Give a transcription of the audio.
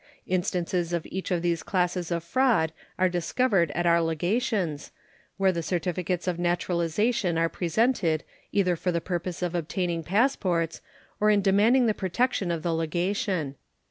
Instances of each of these classes of fraud are discovered at our legations, where the certificates of naturalization are presented either for the purpose of obtaining passports or in demanding the protection of the legation.